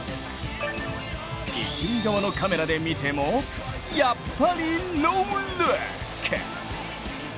一塁側のカメラで見てもやっぱりノールック。